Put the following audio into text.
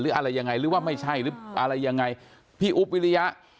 อะไรยังไงหรือว่าไม่ใช่หรืออะไรยังไงพี่อุ๊บวิริยะ